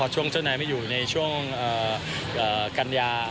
ช่วงเจ้านายไม่อยู่ในช่วงกัญญา